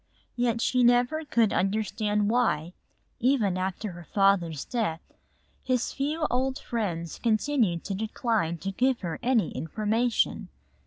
Yet she never could understand why, even after her father's death, his few old friends continued to decline to give her any information.